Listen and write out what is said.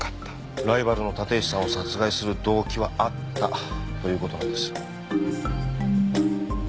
ライバルの立石さんを殺害する動機はあったということなんです。